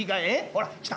ほら来た。